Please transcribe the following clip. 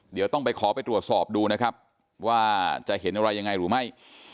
เดี๋ยวต้องไปขอไปตรวจสอบดูนะครับว่าจะเห็นอะไรยังไงหรือไม่